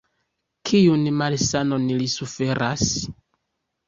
Kiun malsanon li suferas?